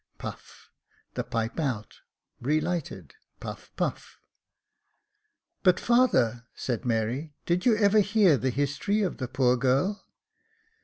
[Puff — the pipe out, relighted — puff, puff.] " But, father," said Mary, " did you ever hear the history of the poor girl